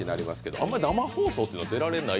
あんまり生放送って出られない？